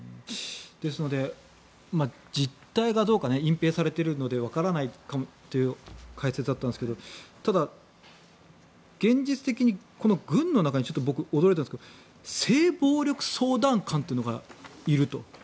ですので実態がどうか隠ぺいされているのでわからないという解説だったんですけどただ、現実的に僕、驚いたのが性暴力相談官というのがいると。